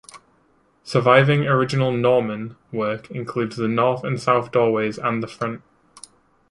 Surviving original Norman work includes the north and south doorways and the font.